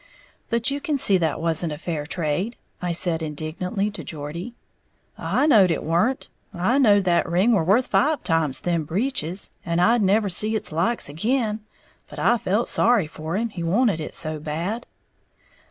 "But you can see that wasn't a fair trade," I said indignantly to Geordie. "I knowed it weren't, I knowed that ring were worth five times them breeches, and I'd never see its like ag'in. But I felt sorry for him, he wanted it so bad."